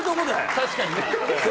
確かにね。